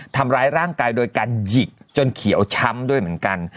ทำร้ายร่างกายโดยการหยิกจนเขียวช้ำด้วยเหมือนกัน